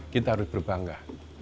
kita harus berbangga